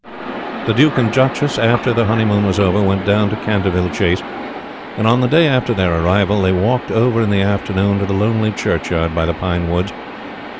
The Duke and Duchess, after the honeymoon was over, went down to Canterville Chase, and on the day after their arrival they walked over in the afternoon to the lonely churchyard by the pine woods.